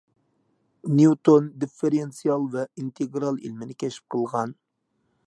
نيۇتون دىففېرېنسىئال ۋە ئىنتېگرال ئىلمىنى كەشىپ قىلغان